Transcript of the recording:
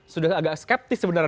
sudah agak skeptis sebenarnya